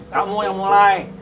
kamu yang mulai